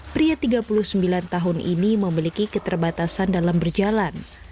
pria tiga puluh sembilan tahun ini memiliki keterbatasan dalam berjalan